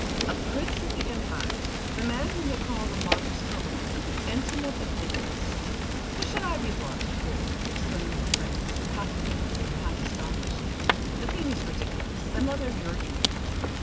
A Prince of the Empire, the man whom they call the Modern Skobeleff, an intimate of Nicholas! What should I be watched for?" exclaimed the Prince, half angry and half astonished. "The thing is ridiculous; another of your dreams!"